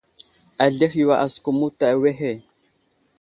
Azlehe yo asəkum muta awehe.